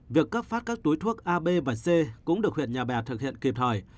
việc cấp phát các túi thuốc a b và c cũng được huyện nhà bè thực hiện kịp thời